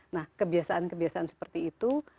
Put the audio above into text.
nah kebiasaan kebiasaan seperti itu